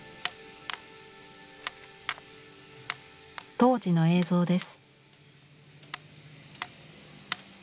当時の映像です。